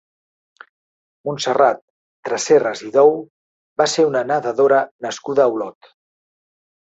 Montserrat Tresserras i Dou va ser una nedadora nascuda a Olot.